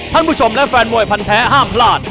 ท่านผู้ชมและแฟนมวยพันแท้ห้ามพลาด